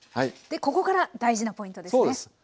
でここから大事なポイントですね。